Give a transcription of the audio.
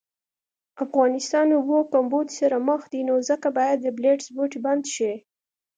افغانستان اوبو کمبود سره مخ دي نو ځکه باید ابلیټس بوټی بند شي